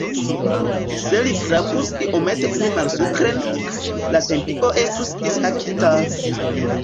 Se li frapus iomete pli malsupren, la tempio estus dishakita!